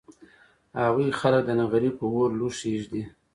هغوی خلک د نغري په اور لوښي اېږدي